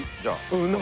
うん。